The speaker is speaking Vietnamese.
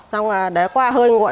xong rồi để qua hơi ngội